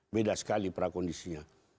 beda sekali pra pra kondisinya